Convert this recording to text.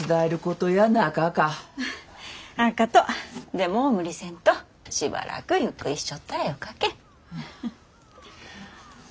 でも無理せんとしばらくゆっくりしちょったらよかけん。